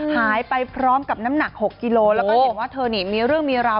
หายไปพร้อมกับน้ำหนัก๖กิโลแล้วก็เห็นว่าเธอนี่มีเรื่องมีราว